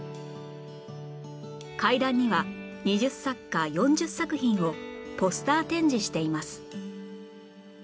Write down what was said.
階段には２０作家４０作品をポスター展示しています